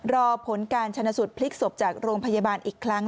รอผลการชนะสูตรพลิกศพจากโรงพยาบาลอีกครั้ง